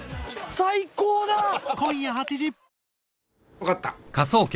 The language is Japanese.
わかった。